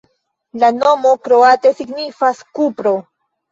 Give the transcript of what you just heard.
La nomo kroate signifas: kupro.